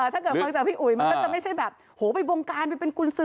ถ้าเกิดฟังจากพี่อุ๋ยมันก็จะไม่ใช่แบบโหไปบงการไปเป็นกุญสือ